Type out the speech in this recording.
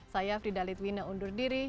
saya fridalit wina undur diri